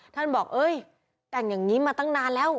ท่านบอกเอ้ยแต่งอย่างนี้มาตั้งนานแล้ว